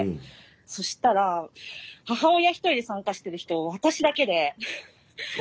そしたら母親１人で参加してる人私だけで。